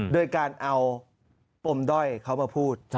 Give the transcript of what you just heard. โดยการเอาปมด้อยเขามาพูด